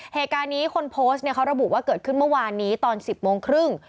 เหตุการณ์นี้คนโพสต์เนี่ยเขาระบุว่าเกิดขึ้นเมื่อวานนี้ตอน๑๐โมงครึ่ง